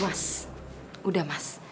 mas udah mas